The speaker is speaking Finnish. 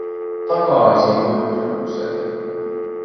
Takaisin Hydrukselle